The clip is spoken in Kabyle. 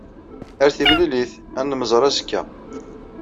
Ar timlilit. Ad nemẓer azekka.